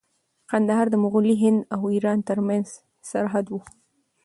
کندهار د مغلي هند او ایران ترمنځ په سرحد کې و.